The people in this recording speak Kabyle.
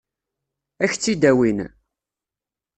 Ad k-tt-id-awin?